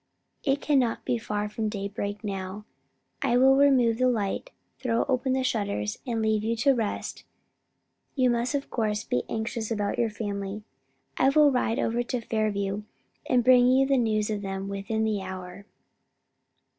It can not be far from daybreak now: I will remove the light, throw open the shutters and leave you to rest. You must of course be anxious about your family. I will ride over to Fairview and bring you news of them within the hour."